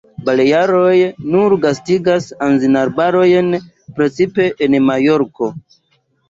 Balearoj nur gastigas anzin-arbarojn, precipe en Majorko.